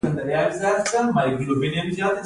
د نوي نیالګي اوبه خور څنګه دی؟